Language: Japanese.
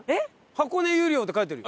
「箱根湯寮」って書いてある。